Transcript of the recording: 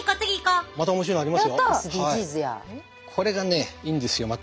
これがねいいんですよまた。